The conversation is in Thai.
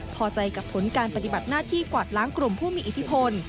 พอใจกับผลการปฏิบัติหน้าที่กวาดล้างกลุ่มผู้มีอิทธิพล